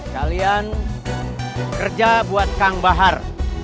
kalian kerja buat kang bahar